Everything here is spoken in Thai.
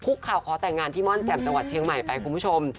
คุกข่าวขอแต่งงานที่ม่อนแจ่มตะวัดเชียงใหม่